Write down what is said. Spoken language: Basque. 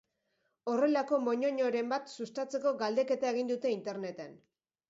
Horrelako moñoñoren bat sustatzeko galdeketa egin dute Interneten.